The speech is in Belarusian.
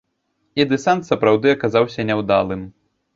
І дэсант сапраўды аказаўся няўдалым.